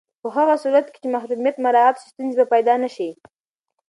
په هغه صورت کې چې محرمیت مراعت شي، ستونزې به پیدا نه شي.